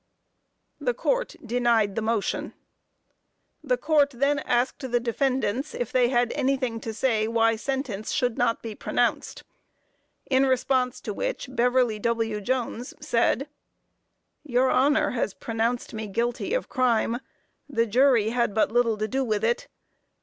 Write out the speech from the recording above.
The Court denied the motion. The Court then asked the defendants if they had anything to say why sentence should not be pronounced, in response to which Beverly W. Jones said: "Your honor has pronounced me guilty of crime; the jury had but little to do with it.